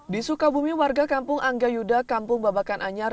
di sukabumi warga kampung angga yuda kampung babakan anyar